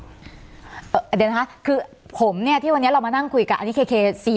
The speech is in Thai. เดี๋ยวนะคะคือผมเนี่ยที่วันนี้เรามานั่งคุยกันอันนี้เค